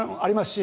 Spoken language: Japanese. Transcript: し